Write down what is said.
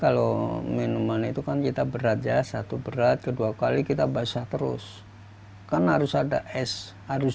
kalau minuman itu kan kita berat ya satu berat kedua kali kita basah terus kan harus ada es harus